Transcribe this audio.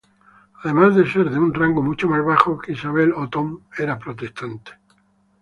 Además de ser de un rango mucho más bajo que Isabel, Otón era protestante.